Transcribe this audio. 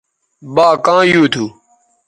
با کاں یُو تھو